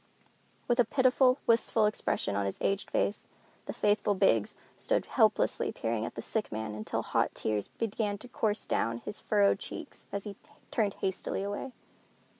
With a pitiful, wistful expression on his aged face, the faithful Biggs stood helplessly peering at the sick man until hot tears began to course down his furrowed cheeks, and he turned hastily away.